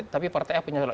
tapi partai a punya calon